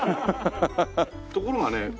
ところがね